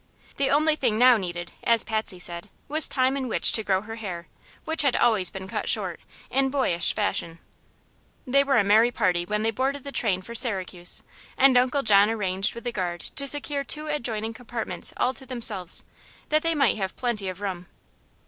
The only thing now needed, as Patsy said, was time in which to grow her hair, which had always been cut short, in boyish fashion. They were a merry party when they boarded the train for Syracuse, and Uncle John arranged with the guard to secure two adjoining compartments all to themselves, that they might have plenty of room.